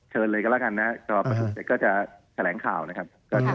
เชิญเลยก็ละกันนะถ้าผลิตศรีจก็จะแสดงข่าวนะครับ